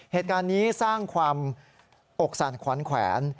เหตุการณ์นี้สร้างความอกสั่นขวานแขวน